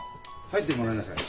入ってもらいなさい。